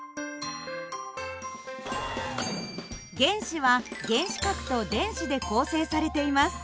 原子は原子核と電子で構成されています。